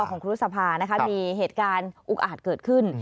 ของครูสภานะคะมีเหตุการณ์อุกอาจเกิดขึ้น